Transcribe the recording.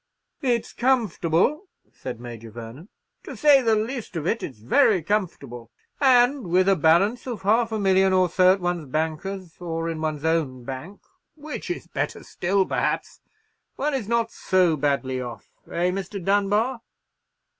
"It's comfortable," said Major Vernon; "to say the least of it, it's very comfortable. And with a balance of half a million or so at one's banker's, or in one's own bank—which is better still perhaps—one is not so badly off, eh, Mr. Dunbar?"